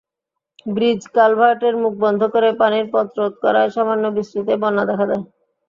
ব্রিজ-কালভার্টের মুখ বন্ধ করে পানির পথরোধ করায় সামান্য বৃষ্টিতেই বন্যা দেখা দেয়।